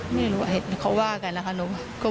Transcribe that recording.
ไม่รู้หรอเนี่ยเขาว่ากันนะคะหนู